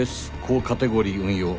ＩＬＳ高カテゴリー運用。